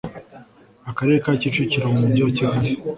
Akarere ka Kicukiro mu Mujyi wa Kigali